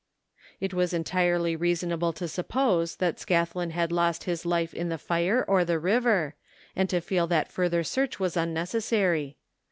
It was entirely reasonable to suppose that Scathlin had lost his life in the fire or the river, and to feel that further search was unnecessary.